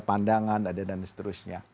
pandangan ada dan seterusnya